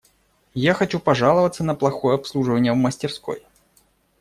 Я хочу пожаловаться на плохое обслуживание в мастерской.